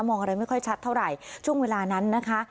มองอะไรไม่ค่อยชัดเท่าไหร่ช่วงเวลานั้นนะคะ